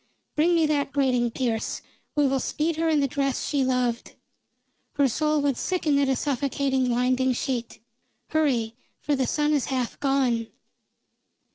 Bring me that grating, Pearse. We will speed her in the dress she loved. Her soul would sicken at a suffocating winding sheet. Hurry, for the sun is half gone!"